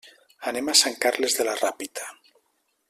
Anem a Sant Carles de la Ràpita.